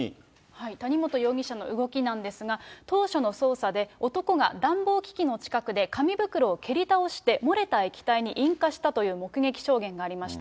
谷本容疑者の動きなんですが、当初の捜査で、男が暖房機器の近くで紙袋を蹴り倒して、漏れた液体に引火したという目撃証言がありました。